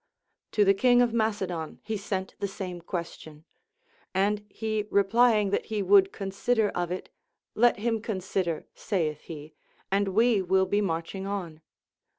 To the king of Macedon he sent the same question ; and he replying that he would consider of it. Let him consider, saith he, and we will be marching on.